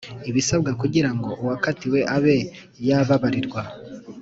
Ibisabwa kugira ngo uwakatiwe abe yababarirwa